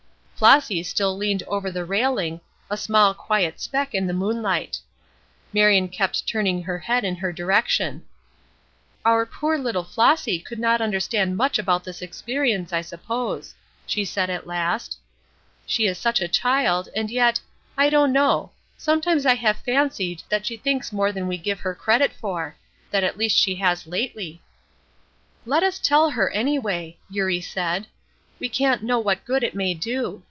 Flossy still leaned over the railing, a small quiet speck in the moonlight. Marion kept turning her head in her direction. "Our poor little Flossy would not understand much about this experience, I suppose," she said at last; "she is such a child, and yet, I don't know sometimes I have fancied that she thinks more than we give her credit for. That at least she has lately." "Let us tell her, anyway," Eurie, said, "we can't know what good it may do.